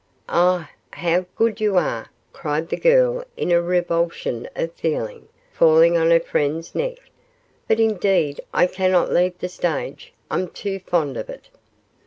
'Ah! how good you are,' cried the girl in a revulsion of feeling, falling on her friend's neck; 'but indeed I cannot leave the stage I'm too fond of it.